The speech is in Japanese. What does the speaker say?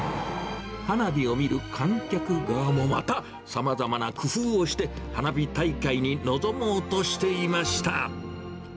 花火を見る観客側もまた、さまざまな工夫をして、花火大会に臨もうとしていました。